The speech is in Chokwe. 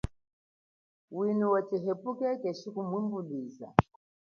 Wino wa tshihepuke keshi kuwimbulwiza.